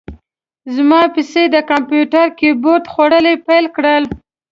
زما پسه د کمپیوتر کیبورډ خوړل پیل کړل.